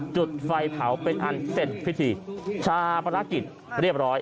จุดไฟเผาเป็นอันเสร็จพิธีชาปนกิจเรียบร้อย